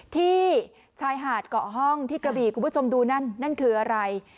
ที่ชายหาดเกาะห้องที่กระบีคุณผู้ชมดูนั่นนั่นคืออะไร